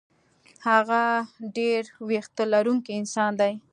هغه ډېر وېښته لرونکی انسان دی.